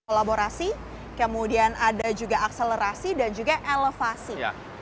kolaborasi kemudian ada juga akselerasi dan juga elevasi